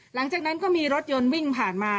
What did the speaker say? หลังจากนั้นก็มีรถยนต์วิ่งผ่านมา